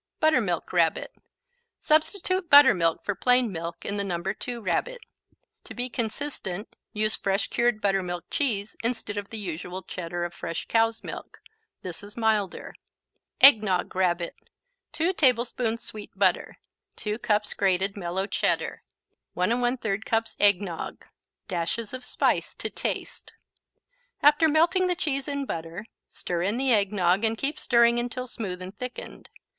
Buttermilk Rabbit Substitute buttermilk for plain milk in the No. 2 Rabbit. To be consistent, use fresh cured Buttermilk Cheese, instead of the usual Cheddar of fresh cow's milk. This is milder. Eggnog Rabbit 2 tablespoons sweet butter 2 cups grated mellow Cheddar 1 1/3 cups eggnog Dashes of spice to taste. After melting the cheese in butter, stir in the eggnog and keep stirring until smooth and thickened.